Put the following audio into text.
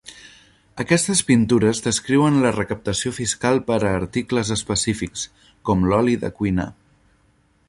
Aquestes pintures descriuen la recaptació fiscal per a articles específics, com l"oli de cuinar.